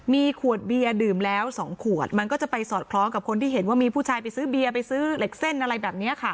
มีขวดเบียร์ดื่มแล้ว๒ขวดมันก็จะไปสอดคล้องกับคนที่เห็นว่ามีผู้ชายไปซื้อเบียร์ไปซื้อเหล็กเส้นอะไรแบบนี้ค่ะ